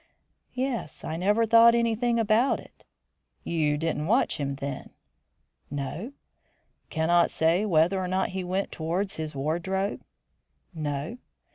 "Yes, I never thought anything about it." "You didn't watch him, then?" "No." "Cannot say whether or not he went towards his wardrobe?" "No."